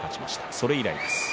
それ以来です。